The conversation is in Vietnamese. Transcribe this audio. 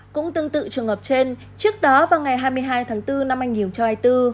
cũng tương tự trường hợp trên trước đó vào ngày hai mươi hai tháng bốn năm anh hiểu cho hai mươi bốn